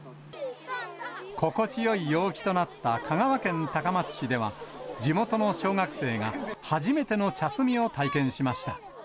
心地よい陽気となった香川県高松市では、地元の小学生が初めての茶摘みを体験しました。